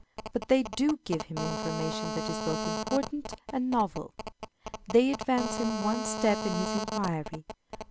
But they do give him information that is both important and novel. They advance him one step in his inquiry.